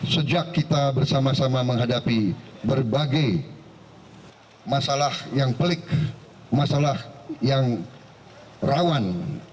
sejak kita bersama sama menghadapi berbagai masalah yang pelik masalah yang rawan